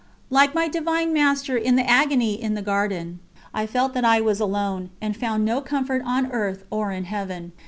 Like my Divine Master in the Agony in the Garden, I felt that I was alone, and found no comfort on earth or in Heaven.